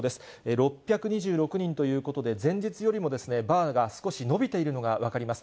６２６人ということで、前日よりもバーが少し伸びているのが分かります。